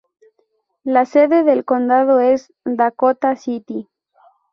La sede del condado es Dakota City.